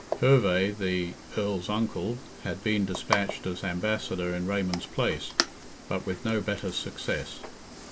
Herve, the Earl's uncle, had been despatched as ambassador in Raymond's place, but with no better success.